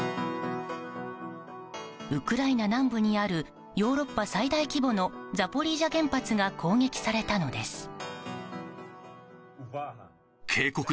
ウクライナ南部にあるヨーロッパ最大規模のザポリージャ原発が攻撃されたのです。